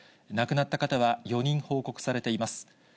亡くなった方は４人報告されています。